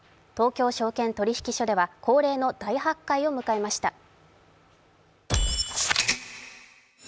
東京証券取引所では恒例の大発会を迎えました。